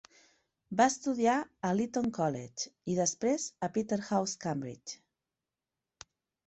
Va estudiar a l'Eton College i després a Peterhouse (Cambridge).